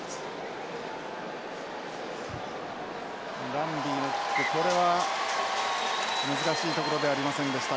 ランビーのキックこれは難しい所ではありませんでした。